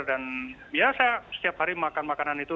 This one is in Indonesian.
dan ya saya setiap hari makan makanan itu